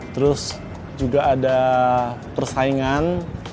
terus juga ada persaingan